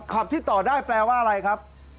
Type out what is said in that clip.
ขับที่ต่อได้แปลว่าอะไรครับ